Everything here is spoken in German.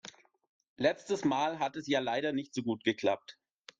Letztes Mal hat es ja leider nicht so gut geklappt.